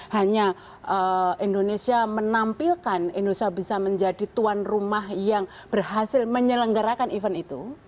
hanya indonesia menampilkan indonesia bisa menjadi tuan rumah yang berhasil menyelenggarakan event itu